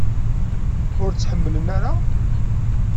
Ur tt-ḥemmlen ara?